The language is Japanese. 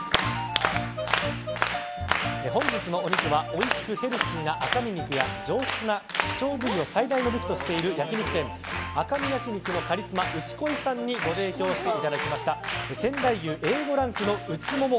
本日のお肉はおいしくヘルシーな赤身肉や上質な希少部位を最大の武器としている焼き肉店赤身焼き肉のカリスマ牛恋さんにご提供していただいた仙台牛Ａ５ランクのウチモモ